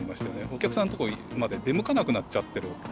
お客さんのところまで出向かなくなっちゃってる。